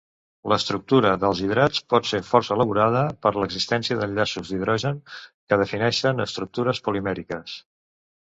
L'estructura dels hidrats pot ser força elaborada per l'existència d'enllaços d'hidrogen que defineixen estructures polimèriques.